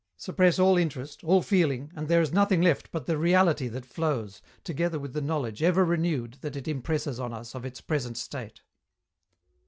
Suppress all interest, all feeling, and there is nothing left but the reality that flows, together with the knowledge ever renewed that it impresses on us of its present state.